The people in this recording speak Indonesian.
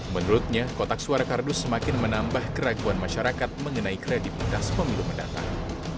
menurutnya kotak suara kardus semakin menambah keraguan masyarakat mengenai kredibilitas pemilu mendatang